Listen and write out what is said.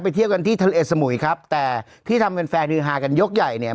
ไปเทียบกันที่ทะเลสมุยครับแต่ที่ทำเวรแฟนฮาในยกใหญ่เนี่ย